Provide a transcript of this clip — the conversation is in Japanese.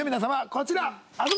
こちら！